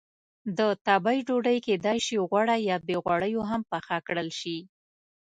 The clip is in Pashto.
د تبۍ ډوډۍ کېدای شي غوړه یا بې غوړیو هم پخه کړل شي.